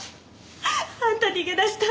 あんた逃げ出した